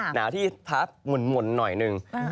หนาวที่พับหมุนหน่อยหนึ่ง